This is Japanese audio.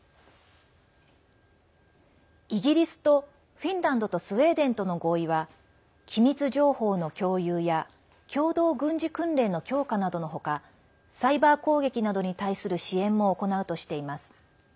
イギリスとフィンランドとスウェーデンとの合意は機密情報の共有や共同軍事訓練の強化などのほかサイバー攻撃などに対する支援も行うとしています。